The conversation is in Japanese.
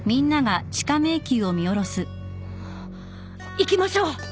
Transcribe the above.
行きましょう。